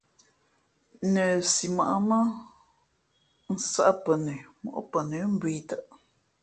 Nəsimα̌ʼ mά nsᾱʼ pαnə móʼ pαnə̌ mbōh ī tαʼ.